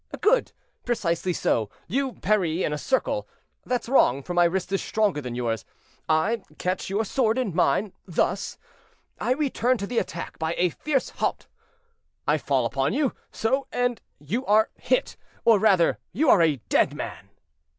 "Good! precisely so; you parry in a circle; that's wrong, for my wrist is stronger than yours. I catch your sword in mine, thus. I return to the attack by a tierce haute, I fall upon you, so, and you are hit, or, rather, you are a dead man!"